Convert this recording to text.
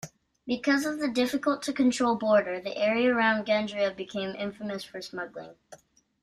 Because of the difficult-to-control border, the area around Gandria became infamous for smuggling.